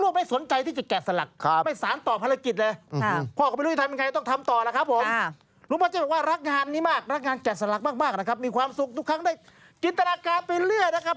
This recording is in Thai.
แก่สลักมากนะครับมีความสุขทุกครั้งได้กินตนาการไปเรื่อยนะครับ